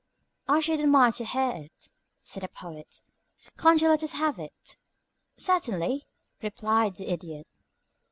"I should admire to hear it," said the Poet. "Can't you let us have it?" "Certainly," replied the Idiot.